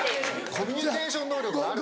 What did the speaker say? コミュニケーション能力があるんです。